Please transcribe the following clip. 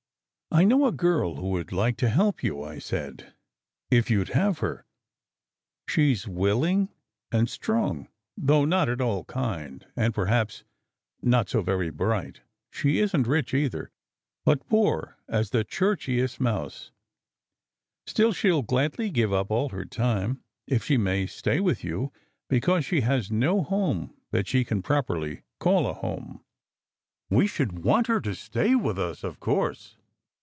"I know a girl who would like to help you," I said, "if you d have her. She s willing and strong, though not at all SECRET HISTORY 249 kind, and perhaps not so very bright. She isn t rich, either, but poor as the churchiest mouse! Still, she ll gladly give up all her time if she may stay with you, be cause she has no home that she can properly call a home." "We should want her to stay with us, of course!"